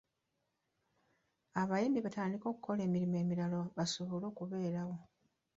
Abayimbi batandike okukola emirimu emirala basobole okubeerawo.